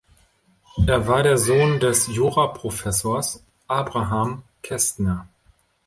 Er war der Sohn des Juraprofessors Abraham Kästner.